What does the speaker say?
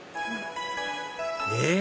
えっ⁉